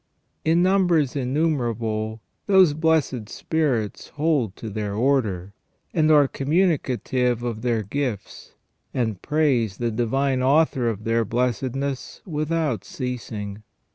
In numbers innumerable those blessed spirits hold to their order, and are communicative of their gifts, and praise the Divine Author of their blessedness without ceasing.